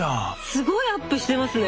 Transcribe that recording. すごいアップしてますね！